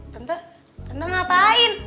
teteh teteh ngapain